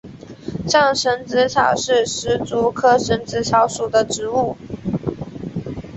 藏蝇子草是石竹科蝇子草属的植物。